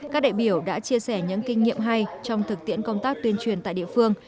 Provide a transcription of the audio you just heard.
các đại biểu đã chia sẻ những kinh nghiệm hay trong thực tiễn công tác tuyên truyền tại địa phương